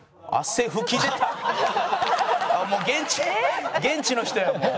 もう現地現地の人やもう。